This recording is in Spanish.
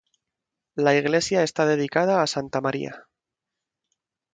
La iglesia está dedicada a santa María.